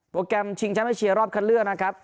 โปรแกรมชิงชั้นไม่เชียร์รอบคันเลือกนะครับ